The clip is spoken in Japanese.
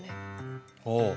ああ